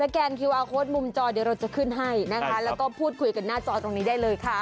กลุ่มจอเดี๋ยวเราจะขึ้นให้นะคะแล้วก็พูดคุยกับหน้าจอตรงนี้ได้เลยค่ะ